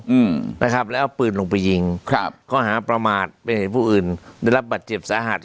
อืมนะครับแล้วปืนลงไปยิงครับเค้าหาประหมาต็นในพวกอื่นได้รับบัตรเจ็บสะหัส